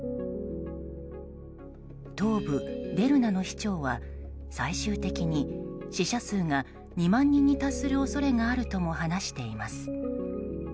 東部デルナの市長は最終的に死者数が２万人に達する恐れがあるとも話しています。